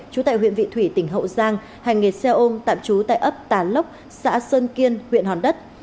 trú tại huyện vị thủy tỉnh hậu giang hành nghề xe ôm tạm trú tại ấp tà lốc xã sơn kiên huyện hòn đất